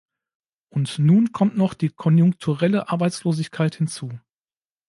Und nun kommt noch die konjunkturelle Arbeitslosigkeit hinzu.